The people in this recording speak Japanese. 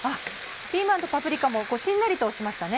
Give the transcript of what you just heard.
ピーマンとパプリカもしんなりとしましたね。